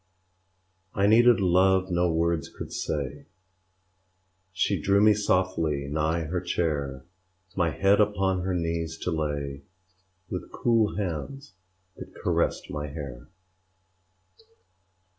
I needed love no words could say; She drew me softly nigh her chair, My head upon her knees to lay, With cool hands that caressed my hair.